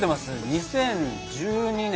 ２０１２年。